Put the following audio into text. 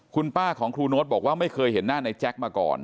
คุณป้าของครูโน๊ตบอกว่าไม่เคยเห็นหน้าในแจ๊คมาก่อน